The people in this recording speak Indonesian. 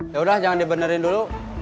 yaudah jangan dibenerin dulu